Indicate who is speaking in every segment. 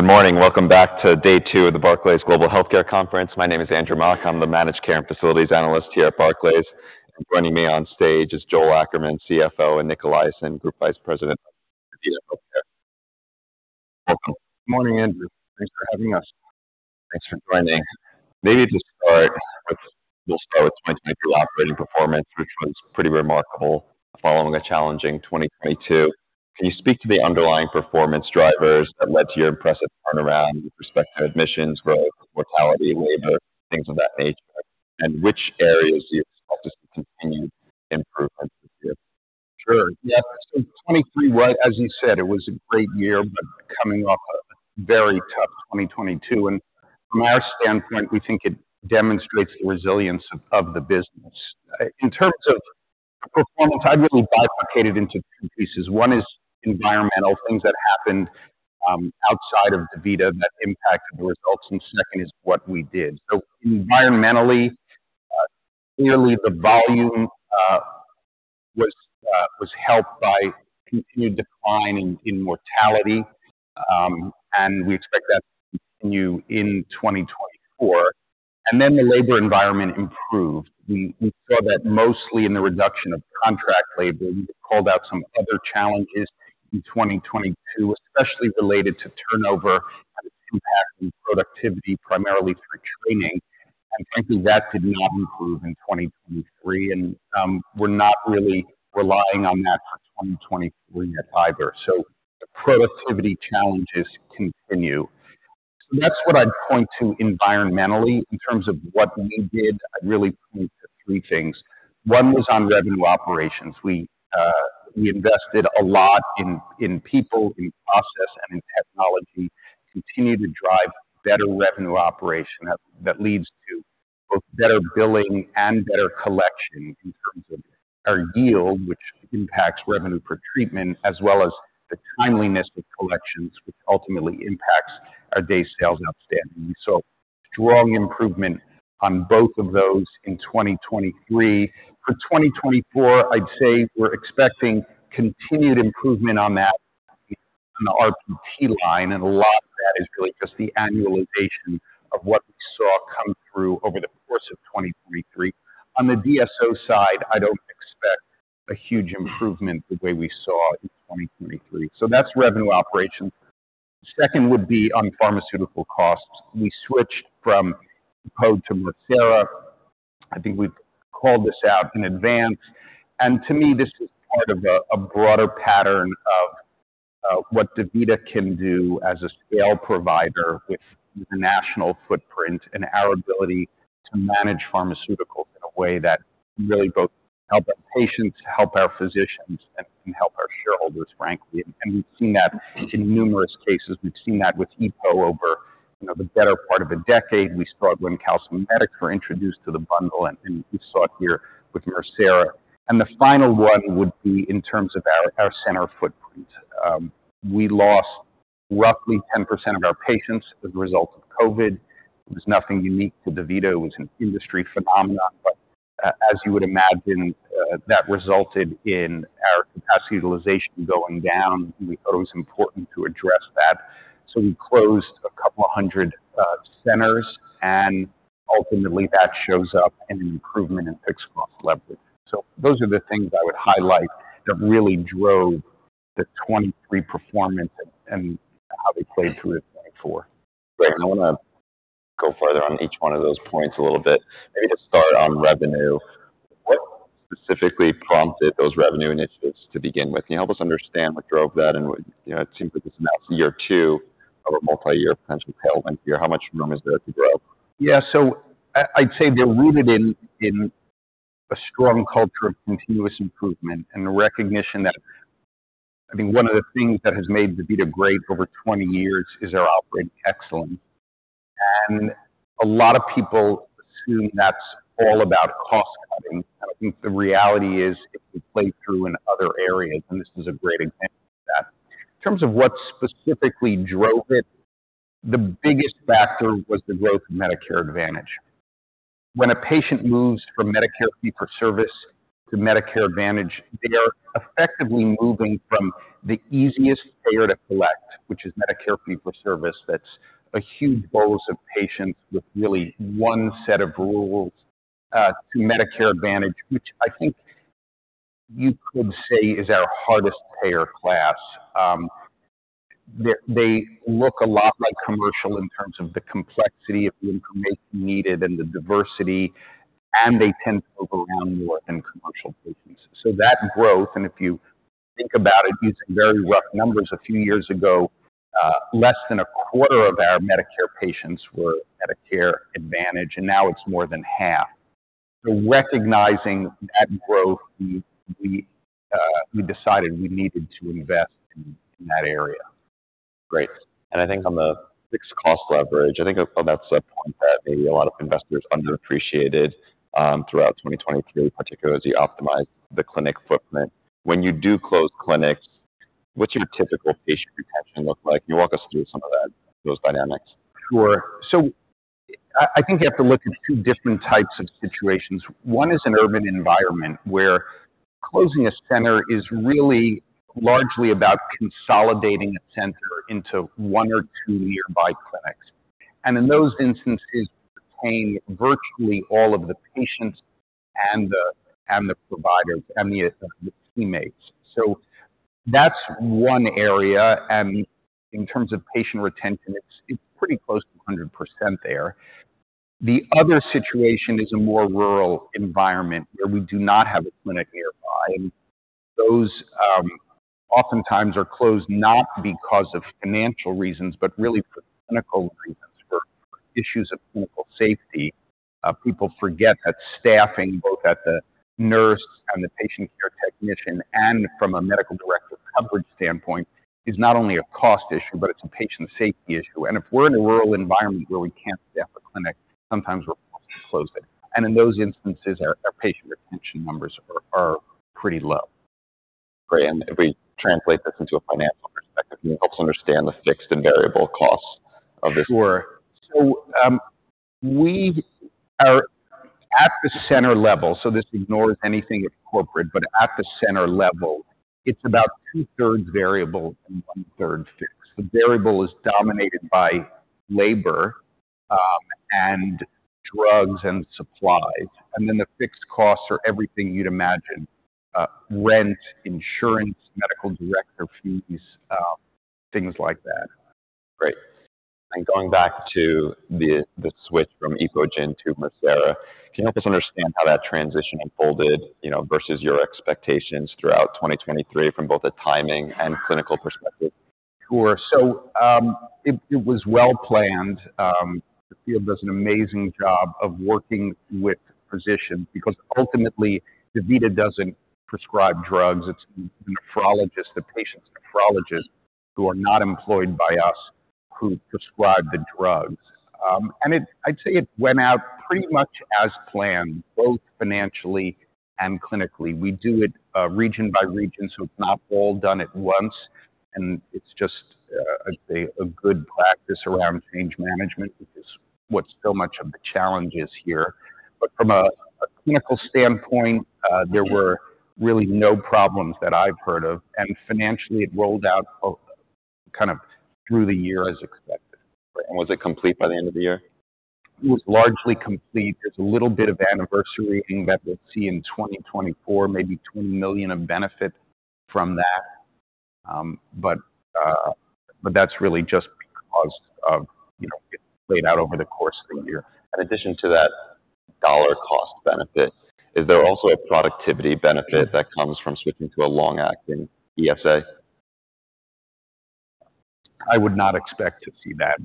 Speaker 1: Good morning. Welcome back to day two of the Barclays Global Healthcare Conference. My name is Andrew Mok. I'm the Managed Care and Facilities Analyst here at Barclays. Joining me on stage is Joel Ackerman, CFO, and Nic Eliason, Group Vice President of Investor Relations. Welcome.
Speaker 2: Good morning, Andrew. Thanks for having us.
Speaker 1: Thanks for joining. Maybe to start with we'll start with 2023 operating performance, which was pretty remarkable following a challenging 2022. Can you speak to the underlying performance drivers that led to your impressive turnaround with respect to admissions growth, mortality, labor, things of that nature? Which areas do you expect to see continued improvements this year?
Speaker 2: Sure. Yeah, since 2023, right as you said, it was a great year, but coming off a very tough 2022. From our standpoint, we think it demonstrates the resilience of the business. In terms of performance, I'd really bifurcate it into two pieces. One is environmental, things that happened outside of DaVita that impacted the results. Second is what we did. Environmentally, clearly the volume was helped by continued decline in mortality, and we expect that to continue in 2024. Then the labor environment improved. We saw that mostly in the reduction of contract labor. We called out some other challenges in 2022, especially related to turnover, how it's impacting productivity primarily through training. Frankly, that did not improve in 2023, and we're not really relying on that for 2024 yet either. The productivity challenges continue. That's what I'd point to environmentally.
Speaker 3: In terms of what we did, I'd really point to three things. One was on revenue operations. We invested a lot in people, in process, and in technology, continue to drive better revenue operations that leads to both better billing and better collection in terms of our yield, which impacts revenue per treatment, as well as the timeliness of collections, which ultimately impacts our days sales outstanding. We saw strong improvement on both of those in 2023. For 2024, I'd say we're expecting continued improvement on that on the RPT line, and a lot of that is really just the annualization of what we saw come through over the course of 2023. On the DSO side, I don't expect a huge improvement the way we saw in 2023. So that's revenue operations. Second would be on pharmaceutical costs. We switched from EPO to Mircera. I think we've called this out in advance. To me, this is part of a broader pattern of what DaVita can do as a scale provider with a national footprint and our ability to manage pharmaceuticals in a way that really both helps our patients, helps our physicians, and helps our shareholders, frankly. We've seen that in numerous cases. We've seen that with EPO over the better part of a decade. We saw it when calcimimetics were introduced to the bundle, and we saw it here with Mircera. The final one would be in terms of our center footprint. We lost roughly 10% of our patients as a result of COVID. It was nothing unique to DaVita. It was an industry phenomenon. But as you would imagine, that resulted in our capacity utilization going down, and we thought it was important to address that.
Speaker 2: So we closed 200 centers, and ultimately that shows up in an improvement in fixed cost leverage. Those are the things I would highlight that really drove the 2023 performance and how they played through 2024.
Speaker 1: Great. And I want to go further on each one of those points a little bit. Maybe to start on revenue, what specifically prompted those revenue initiatives to begin with? Can you help us understand what drove that? And it seems like this announced year two of a multi-year potential tailwind here. How much room is there to grow?
Speaker 2: Yeah, so I'd say they're rooted in a strong culture of continuous improvement and the recognition that I think one of the things that has made DaVita great over 20 years is our operating excellence. A lot of people assume that's all about cost cutting. I think the reality is it can play through in other areas, and this is a great example of that. In terms of what specifically drove it, the biggest factor was the growth of Medicare Advantage. When a patient moves from Medicare fee-for-service to Medicare Advantage, they are effectively moving from the easiest payer to collect, which is Medicare fee-for-service. That's a huge bolus of patients with really one set of rules, to Medicare Advantage, which I think you could say is our hardest payer class. They look a lot like commercial in terms of the complexity of the information needed and the diversity, and they tend to move around more than commercial patients. So that growth, and if you think about it using very rough numbers, a few years ago, less than a quarter of our Medicare patients were Medicare Advantage, and now it's more than half. So recognizing that growth, we decided we needed to invest in that area.
Speaker 1: Great. I think on the fixed cost leverage, I think that's a point that maybe a lot of investors underappreciated throughout 2023, particularly as you optimized the clinic footprint. When you do close clinics, what's your typical patient retention look like? Can you walk us through some of those dynamics?
Speaker 2: Sure. So I think you have to look at two different types of situations. One is an urban environment where closing a center is really largely about consolidating a center into one or two nearby clinics. And in those instances, we retain virtually all of the patients and the providers and the teammates. So that's one area. And in terms of patient retention, it's pretty close to 100% there. The other situation is a more rural environment where we do not have a clinic nearby. And those oftentimes are closed not because of financial reasons, but really for clinical reasons, for issues of clinical safety. People forget that staffing, both at the nurse and the patient care technician and from a medical director coverage standpoint, is not only a cost issue, but it's a patient safety issue. If we're in a rural environment where we can't staff a clinic, sometimes we're forced to close it. In those instances, our patient retention numbers are pretty low.
Speaker 1: Great. If we translate this into a financial perspective, can you help us understand the fixed and variable costs of this?
Speaker 2: Sure. So we are at the center level so this ignores anything of corporate, but at the center level, it's about 2/3 variable and 1/3 fixed. The variable is dominated by labor and drugs and supplies. And then the fixed costs are everything you'd imagine: rent, insurance, medical director fees, things like that.
Speaker 1: Great. And going back to the switch from Epogen to Mircera, can you help us understand how that transition unfolded versus your expectations throughout 2023 from both a timing and clinical perspective?
Speaker 2: Sure. So it was well planned. The field does an amazing job of working with physicians because ultimately DaVita doesn't prescribe drugs. It's the patient's nephrologists who are not employed by us who prescribe the drugs. And I'd say it went out pretty much as planned, both financially and clinically. We do it region by region, so it's not all done at once. And it's just, I'd say, a good practice around change management, which is what's so much of the challenge is here. But from a clinical standpoint, there were really no problems that I've heard of. And financially, it rolled out kind of through the year as expected.
Speaker 1: Great. And was it complete by the end of the year?
Speaker 2: It was largely complete. There's a little bit of anniversary that we'll see in 2024, maybe $20 million of benefit from that. But that's really just because it played out over the course of the year.
Speaker 1: In addition to that dollar cost benefit, is there also a productivity benefit that comes from switching to a long-acting ESA?
Speaker 2: I would not expect to see that.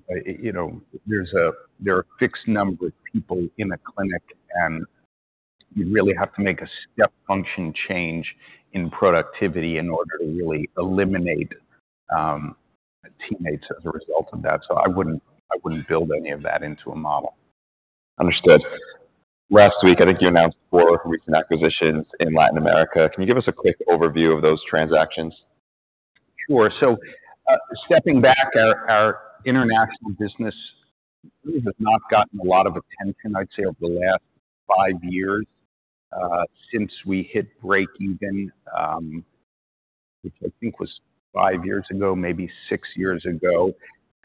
Speaker 2: There's a fixed number of people in a clinic, and you really have to make a step function change in productivity in order to really eliminate teammates as a result of that. So I wouldn't build any of that into a model.
Speaker 1: Understood. Last week, I think you announced four recent acquisitions in Latin America. Can you give us a quick overview of those transactions?
Speaker 2: Sure. So stepping back, our international business really has not gotten a lot of attention, I'd say, over the last five years since we hit break-even, which I think was five years ago, maybe six years ago.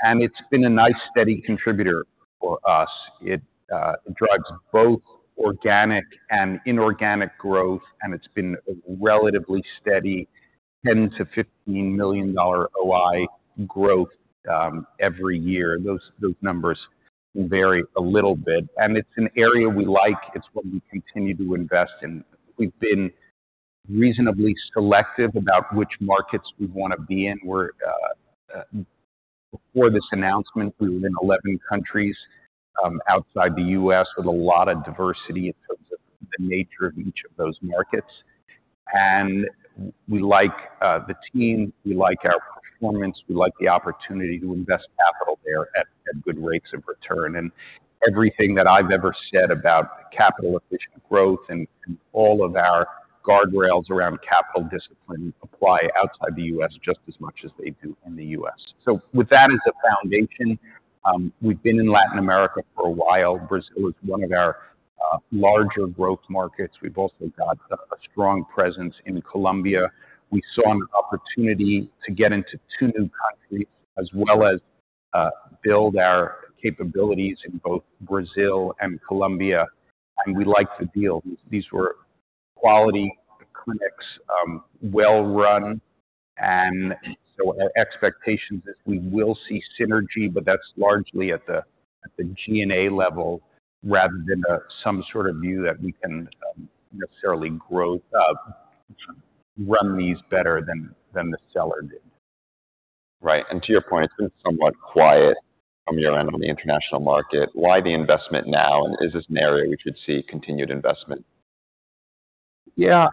Speaker 2: And it's been a nice steady contributor for us. It drives both organic and inorganic growth, and it's been a relatively steady $10 million-$15 million OI growth every year. Those numbers can vary a little bit. And it's an area we like. It's one we continue to invest in. We've been reasonably selective about which markets we want to be in. Before this announcement, we were in 11 countries outside the U.S. with a lot of diversity in terms of the nature of each of those markets. And we like the team. We like our performance. We like the opportunity to invest capital there at good rates of return. Everything that I've ever said about capital-efficient growth and all of our guardrails around capital discipline apply outside the U.S. just as much as they do in the U.S. With that as a foundation, we've been in Latin America for a while. Brazil is one of our larger growth markets. We've also got a strong presence in Colombia. We saw an opportunity to get into two new countries as well as build our capabilities in both Brazil and Colombia. We liked the deal. These were quality clinics, well-run. Our expectation is we will see synergy, but that's largely at the G&A level rather than some sort of view that we can necessarily run these better than the seller did.
Speaker 1: Right. And to your point, it's been somewhat quiet from your end on the international market. Why the investment now? And is this an area we should see continued investment?
Speaker 2: Yeah.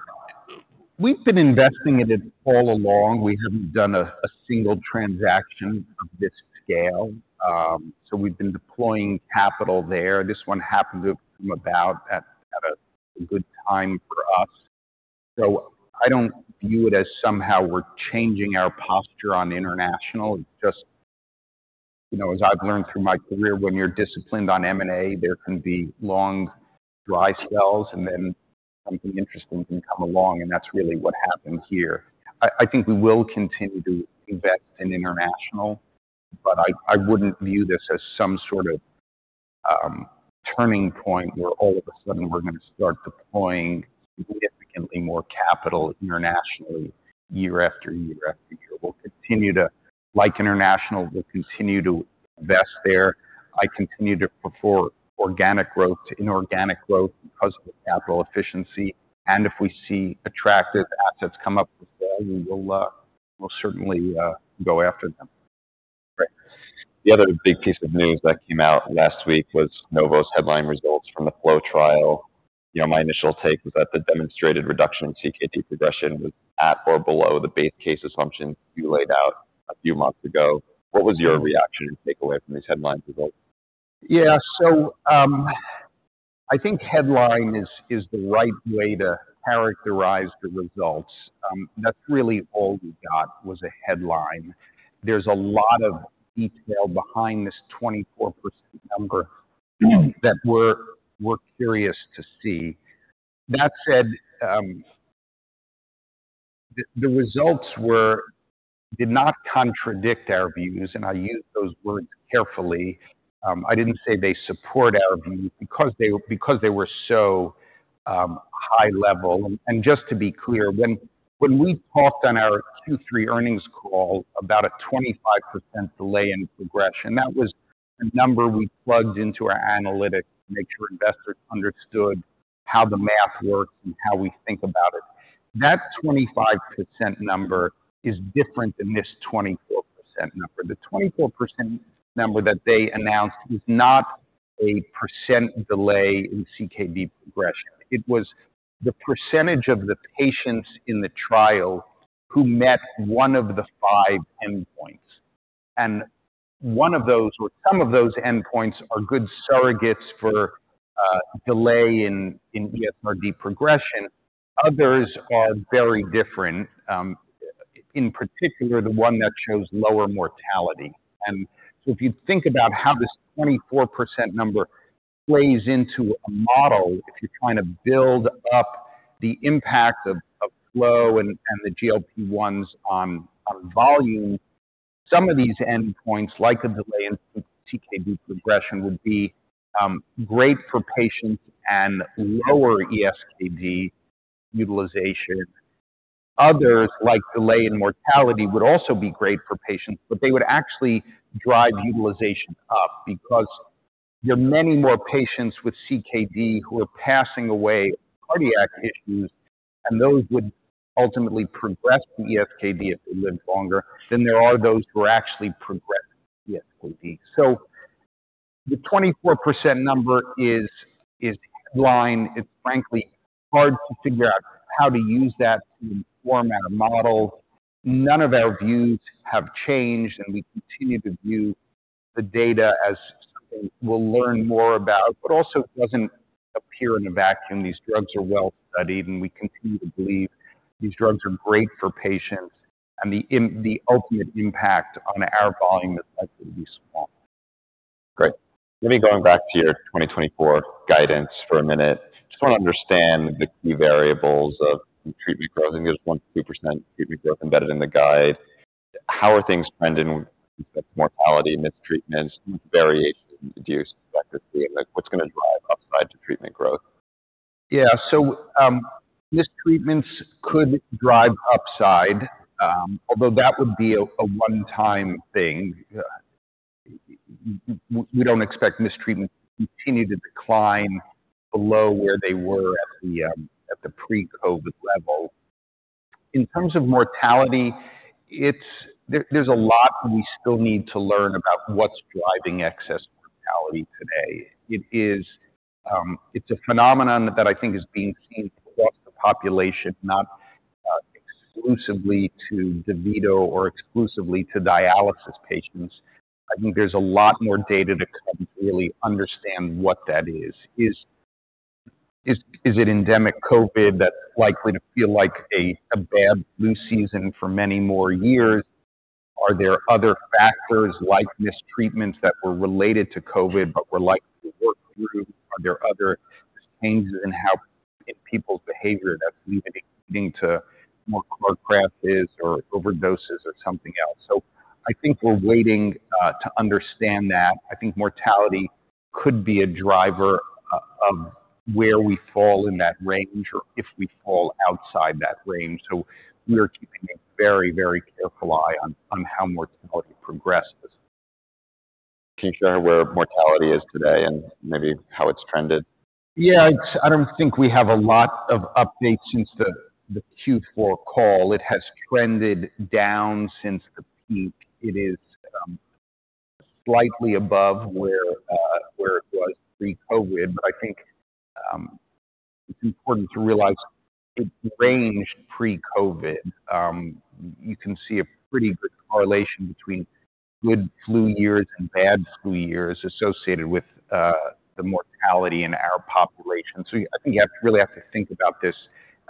Speaker 2: We've been investing in it all along. We haven't done a single transaction of this scale. So we've been deploying capital there. This one happened to come about at a good time for us. So I don't view it as somehow we're changing our posture on international. It's just, as I've learned through my career, when you're disciplined on M&A, there can be long, dry spells, and then something interesting can come along. And that's really what happened here. I think we will continue to invest in international, but I wouldn't view this as some sort of turning point where all of a sudden we're going to start deploying significantly more capital internationally year after year after year. We'll continue to like international. We'll continue to invest there. I continue to prefer organic growth to inorganic growth because of the capital efficiency. If we see attractive assets come up for sale, we will certainly go after them.
Speaker 1: Great. The other big piece of news that came out last week was Novo's headline results from the FLOW trial. My initial take was that the demonstrated reduction in CKD progression was at or below the base case assumptions you laid out a few months ago. What was your reaction and takeaway from these headline results?
Speaker 2: Yeah, so I think headline is the right way to characterize the results. That's really all we got was a headline. There's a lot of detail behind this 24% number that we're curious to see. That said, the results did not contradict our views, and I used those words carefully. I didn't say they support our views because they were so high-level. And just to be clear, when we talked on our Q3 earnings call about a 25% delay in progression, that was a number we plugged into our analytics to make sure investors understood how the math works and how we think about it. That 25% number is different than this 24% number. The 24% number that they announced was not a percent delay in CKD progression. It was the percentage of the patients in the trial who met one of the five endpoints. One of those or some of those endpoints are good surrogates for delay in ESKD progression. Others are very different, in particular the one that shows lower mortality. So if you think about how this 24% number plays into a model, if you're trying to build up the impact of FLOW and the GLP-1s on volume, some of these endpoints, like a delay in CKD progression, would be great for patients and lower ESKD utilization. Others, like delay in mortality, would also be great for patients, but they would actually drive utilization up because there are many more patients with CKD who are passing away of cardiac issues, and those would ultimately progress to ESKD if they lived longer than there are those who are actually progressing to ESKD. The 24% number is headline. It's frankly hard to figure out how to use that to inform our models. None of our views have changed, and we continue to view the data as something we'll learn more about, but also it doesn't appear in a vacuum. These drugs are well-studied, and we continue to believe these drugs are great for patients. The ultimate impact on our volume is likely to be small.
Speaker 1: Great. Maybe going back to your 2024 guidance for a minute, I just want to understand the key variables of treatment growth. I think there's 1%-2% treatment growth embedded in the guide. How are things trending with respect to mortality, missed treatments, vaccine-induced efficacy, and what's going to drive upside to treatment growth?
Speaker 2: Yeah. So missed treatments could drive upside, although that would be a one-time thing. We don't expect missed treatments to continue to decline below where they were at the pre-COVID level. In terms of mortality, there's a lot we still need to learn about what's driving excess mortality today. It's a phenomenon that I think is being seen across the population, not exclusively to DaVita or exclusively to dialysis patients. I think there's a lot more data to come to really understand what that is. Is it endemic COVID that's likely to feel like a bad flu season for many more years? Are there other factors like missed treatments that were related to COVID but were likely to work through? Are there other changes in people's behavior that's leading to more car crashes or overdoses or something else? So I think we're waiting to understand that. I think mortality could be a driver of where we fall in that range or if we fall outside that range. So we are keeping a very, very careful eye on how mortality progresses.
Speaker 1: Can you share where mortality is today and maybe how it's trended?
Speaker 2: Yeah. I don't think we have a lot of updates since the Q4 call. It has trended down since the peak. It is slightly above where it was pre-COVID. But I think it's important to realize it ranged pre-COVID. You can see a pretty good correlation between good flu years and bad flu years associated with the mortality in our population. So I think you really have to think about this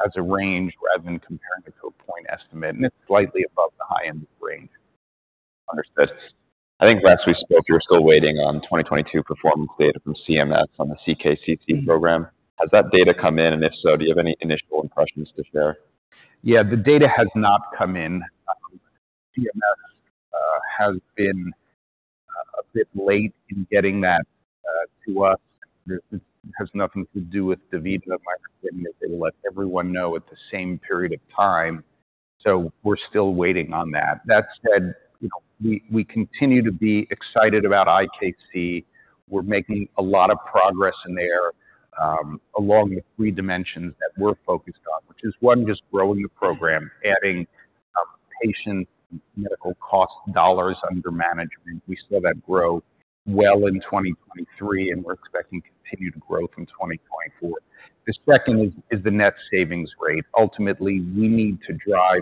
Speaker 2: as a range rather than comparing it to a point estimate. And it's slightly above the high-end range.
Speaker 1: Understood. I think last we spoke, you were still waiting on 2022 performance data from CMS on the CKCC program. Has that data come in? And if so, do you have any initial impressions to share?
Speaker 2: Yeah, the data has not come in. CMS has been a bit late in getting that to us. This has nothing to do with DaVita. My understanding is they will let everyone know at the same period of time. So we're still waiting on that. That said, we continue to be excited about IKC. We're making a lot of progress in there along the three dimensions that we're focused on, which is, one, just growing the program, adding patient medical cost dollars under management. We saw that grow well in 2023, and we're expecting continued growth in 2024. The second is the net savings rate. Ultimately, we need to drive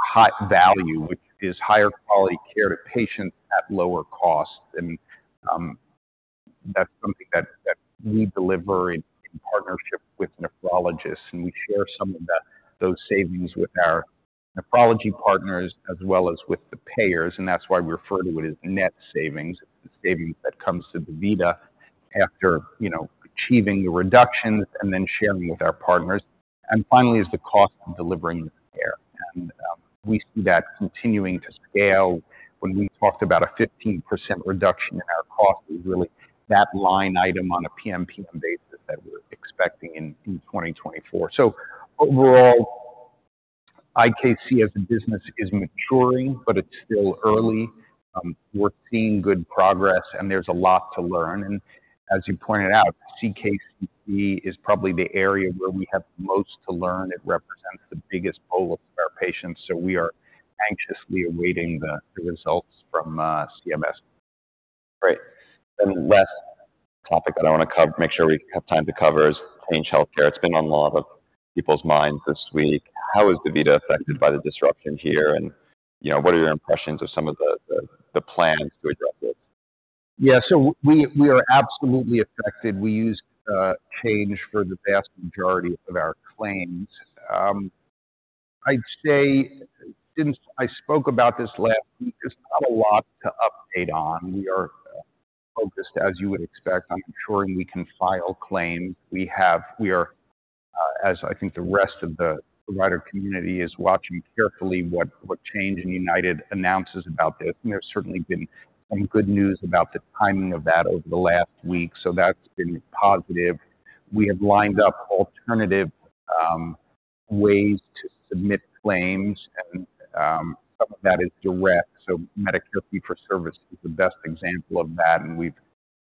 Speaker 2: high value, which is higher quality care to patients at lower costs. And that's something that we deliver in partnership with nephrologists. And we share some of those savings with our nephrology partners as well as with the payers. And that's why we refer to it as net savings. It's the savings that come to DaVita after achieving the reductions and then sharing with our partners. And finally, is the cost of delivering the care. And we see that continuing to scale. When we talked about a 15% reduction in our costs, it was really that line item on a PM/PM basis that we're expecting in 2024. So overall, IKC as a business is maturing, but it's still early. We're seeing good progress, and there's a lot to learn. And as you pointed out, CKCC is probably the area where we have the most to learn. It represents the biggest pool of our patients. So we are anxiously awaiting the results from CMS.
Speaker 1: Great. Then last topic that I want to make sure we have time to cover is Change Healthcare. It's been on a lot of people's minds this week. How is DaVita affected by the disruption here? And what are your impressions of some of the plans to address this?
Speaker 2: Yeah, so we are absolutely affected. We use Change for the vast majority of our claims. I'd say I spoke about this last week. There's not a lot to update on. We are focused, as you would expect, on ensuring we can file claims. We are, as I think the rest of the provider community is watching carefully what Change and United announces about this. And there's certainly been some good news about the timing of that over the last week. So that's been positive. We have lined up alternative ways to submit claims. And some of that is direct. So Medicare fee-for-service is the best example of that. And we've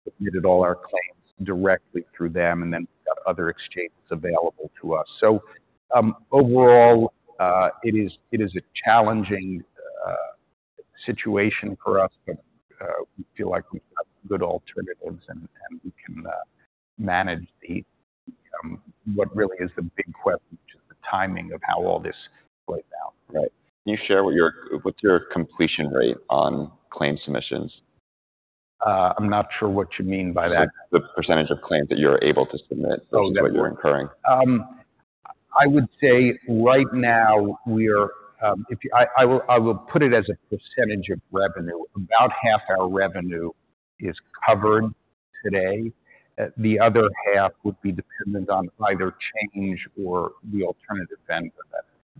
Speaker 2: submitted all our claims directly through them. And then we've got other exchanges available to us. Overall, it is a challenging situation for us, but we feel like we've got good alternatives, and we can manage what really is the big question, which is the timing of how all this plays out.
Speaker 1: Right. Can you share what's your completion rate on claim submissions?
Speaker 2: I'm not sure what you mean by that.
Speaker 1: The percentage of claims that you're able to submit versus what you're incurring.
Speaker 2: I would say right now, I will put it as a percentage of revenue. About half our revenue is covered today. The other half would be dependent on either Change or the alternative vendor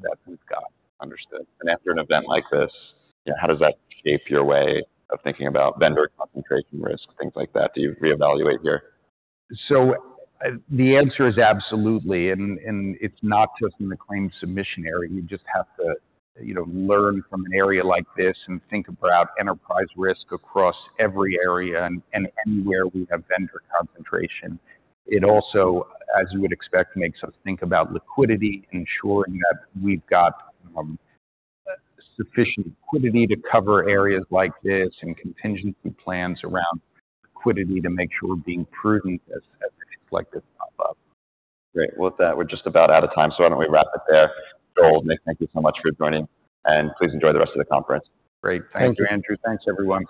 Speaker 2: that we've got.
Speaker 1: Understood. After an event like this, how does that shape your way of thinking about vendor concentration risk, things like that? Do you reevaluate here?
Speaker 2: The answer is absolutely. It's not just in the claim submission area. You just have to learn from an area like this and think about enterprise risk across every area and anywhere we have vendor concentration. It also, as you would expect, makes us think about liquidity, ensuring that we've got sufficient liquidity to cover areas like this and contingency plans around liquidity to make sure we're being prudent as things like this pop up.
Speaker 1: Great. Well, with that, we're just about out of time. So why don't we wrap it there, Joel? Nic, thank you so much for joining. And please enjoy the rest of the conference.
Speaker 2: Great. Thank you, Andrew. Thanks, everyone.